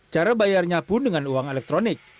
cara bayarnya pun dengan uang elektronik